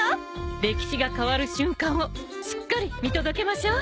歴史が変わる瞬間をしっかり見届けましょう。